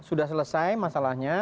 sudah selesai masalahnya